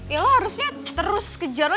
ya lo harusnya terus kejar lo